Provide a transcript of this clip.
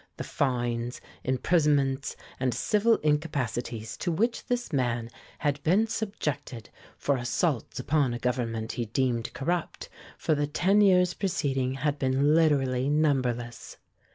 The fines, imprisonments and civil incapacities to which this man had been subjected for assaults upon a government he deemed corrupt, for the ten years preceding, had been literally numberless.